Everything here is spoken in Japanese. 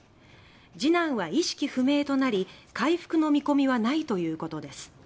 次男は、意識不明となり回復の見込みはないということです。